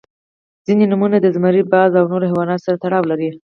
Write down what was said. • ځینې نومونه د زمری، باز او نور حیواناتو سره تړاو لري.